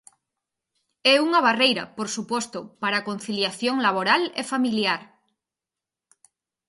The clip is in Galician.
É unha barreira, por suposto, para a conciliación laboral e familiar.